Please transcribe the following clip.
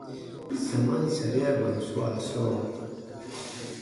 Samaan sariaban swaa sɔɔ.